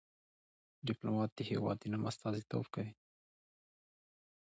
ډيپلومات د هېواد د نوم استازیتوب کوي.